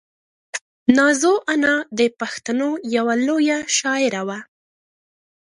نازو انا د پښتنو یوه لویه شاعره وه.